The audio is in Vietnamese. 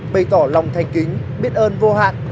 bày tỏ lòng thanh kính biết ơn vô hạn